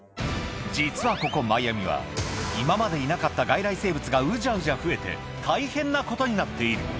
実はここ、マイアミは今までいなかった外来生物がうじゃうじゃ増えて、大変なことになっている。